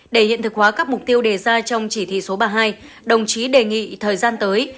để hiện thực hóa các mục tiêu đề ra trong chỉ thị số ba mươi hai đồng chí đề nghị thời gian tới